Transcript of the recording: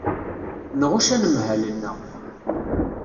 Nɣucc anemhal-nneɣ.